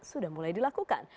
sudah mulai dilakukan